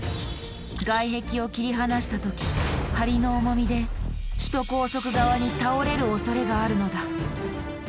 外壁を切り離した時梁の重みで首都高速側に倒れるおそれがあるのだ。